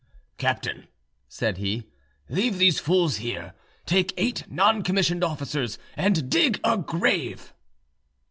"Captain," said he, "leave these fools here, take eight non commissioned officers and dig a grave."